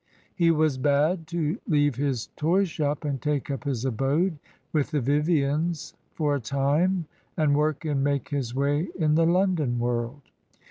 He was bade to leave his toy shop and take up his abode with the Vivians for a time and work and make his way in the London world.